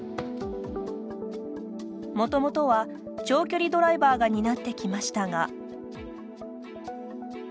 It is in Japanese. もともとは長距離ドライバーが担ってきましたが。